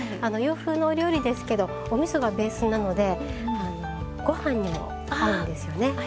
洋風のお料理ですけどおみそがベースなのでご飯にも合うんですよね。